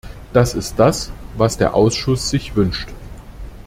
Das ist das, was der Ausschuss sich wünscht.